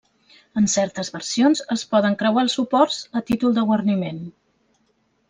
En certes versions, es poden creuar els suports, a títol de guarniment.